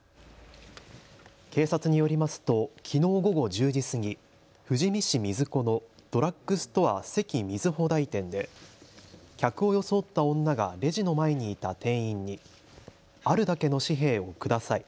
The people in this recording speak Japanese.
警察によりますときのう午後１０時過ぎ富士見市水子のドラッグストアセキみずほ台店で客を装った女がレジの前にいた店員にあるだけの紙幣をください。